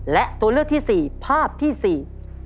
และตัวเลือกที่สี่ภาพที่สี่